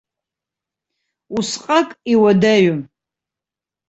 Усҟак иуадаҩым.